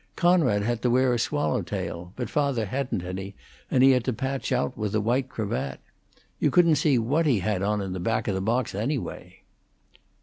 Conrad had to wear a swallow tail; but father hadn't any, and he had to patch out with a white cravat. You couldn't see what he had on in the back o' the box, anyway."